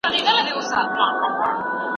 د مقالي لیکل د هر چا کار نه دی.